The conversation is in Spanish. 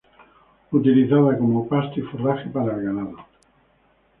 Utilizada como pasto y forraje para el ganado.